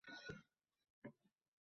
uzoq va mashaqqatli yo’ldir.